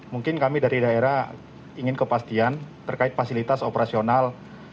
mungkin kami dari daerah ingin kepastian terkait fasilitas operasional